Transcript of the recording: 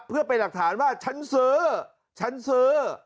เพื่อเป็นหลักฐานว่าฉันซื้อฉันซื้อ